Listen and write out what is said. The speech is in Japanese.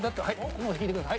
もう引いてください。